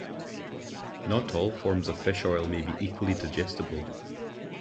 Not all forms of fish oil may be equally digestible.